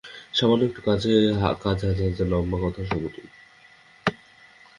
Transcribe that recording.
সামান্য এতটুকু কাজ হাজার হাজার লম্বা কথার সমতুল।